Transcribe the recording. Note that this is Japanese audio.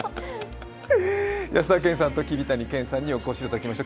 安田顕さんと桐谷健太さんにお越しいただきました。